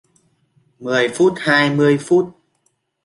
mười phút hai mươi phút